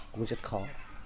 cũng rất khó